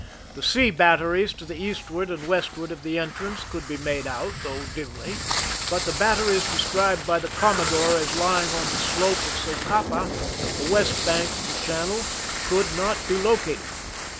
The sea bal teries to the eastward and westward of the entrance could be made out, though dimly^ but the batteries described by the commodore aa lying on thei slope of Socapa, the west bank of the channel, could not be located.